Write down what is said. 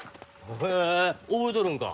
へえ覚えとるんか。